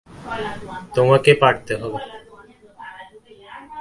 তোমাকে পারতে হবে।